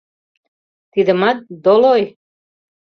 Тидымат — долой!